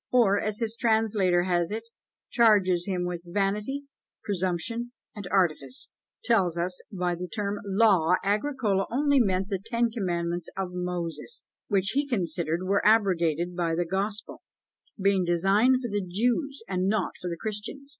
or, as his translator has it, charges him with "vanity, presumption, and artifice," tells us by the term "law," Agricola only meant the ten commandments of Moses, which he considered were abrogated by the Gospel, being designed for the Jews and not for the Christians.